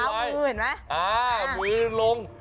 แต่เท้ามืดมั้ยอ่ามืดลง